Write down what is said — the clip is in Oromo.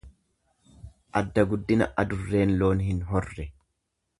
Adda guddina adurreen loon hin horre.